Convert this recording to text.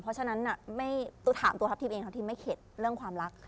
เพราะฉะนั้นตูถามตัวทัพทีมเองทัพทิมไม่เข็ดเรื่องความรัก